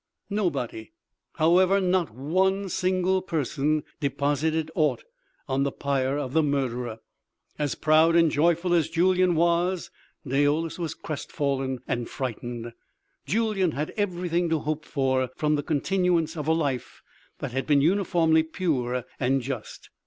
Nobody, however, not one single person, deposited aught on the pyre of the murderer. As proud and joyful as Julyan was, Daoulas was crestfallen and frightened. Julyan had everything to hope for from the continuance of a life that had been uniformly pure and just.